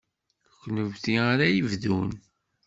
D kennemti ara yebdun.